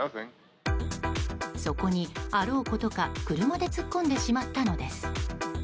そこに、あろうことか車で突っ込んでしまったのです。